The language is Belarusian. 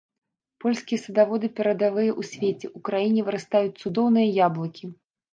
Польскія садаводы перадавыя ў свеце, у краіне вырастаюць цудоўныя яблыкі.